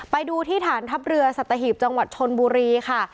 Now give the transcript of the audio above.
ไปดูที่ฐานทัพเรือสัตหีบจังหวัดชนบุรีค่ะ